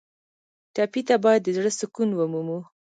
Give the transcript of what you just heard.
ټپي ته باید د زړه سکون ومومو.